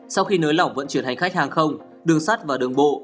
sau khi nới lỏng vận chuyển hành khách hàng không đường sắt và đường bộ